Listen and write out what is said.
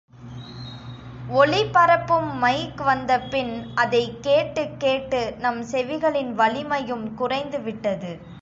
ஒலி பரப்பும் மைக் வந்தபின் அதைக் கேட்டுக் கேட்டு, நம் செவிகளின் வலிமையும் குறைந்து விட்டது.